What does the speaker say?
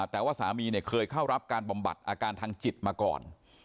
แต่ว่าสามีเคยเข้ารับการบำบัดอาการทางจิตมาก่อน